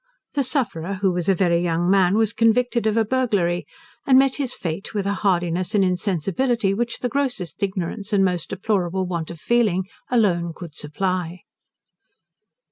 The sufferer, who was a very young man, was convicted of a burglary, and met his fate with a hardiness and insensibility, which the grossest ignorance, and most deplorable want of feeling, alone could supply.